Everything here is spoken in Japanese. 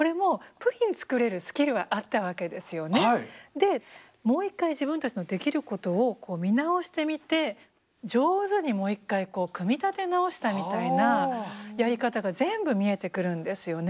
でもう一回自分たちのできることを見直してみて上手にもう一回組み立て直したみたいなやり方が全部見えてくるんですよね。